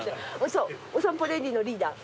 そうお散歩レディーのリーダー。